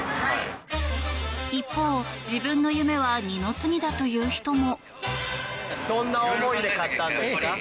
一方、自分の夢は二の次だという人も。